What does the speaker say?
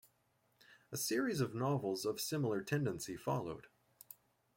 A series of novels of similar tendency followed.